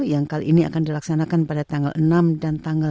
yang kali ini akan dilaksanakan pada tanggal enam dan tanggal